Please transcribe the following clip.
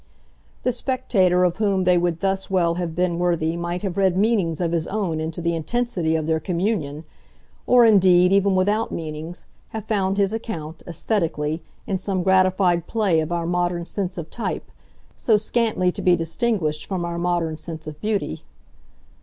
The spectator of whom they would thus well have been worthy might have read meanings of his own into the intensity of their communion or indeed, even without meanings, have found his account, aesthetically, in some gratified play of our modern sense of type, so scantly to be distinguished from our modern sense of beauty.